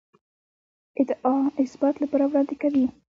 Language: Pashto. ادعا اثبات لپاره وړاندې کوي.